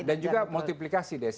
dan juga multiplikasi